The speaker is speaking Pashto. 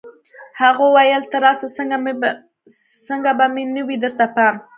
هغه ویل ته وایه څنګه به مې نه وي درته پام